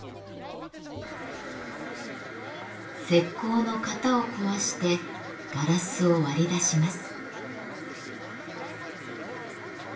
石膏の型を壊してガラスを割り出します。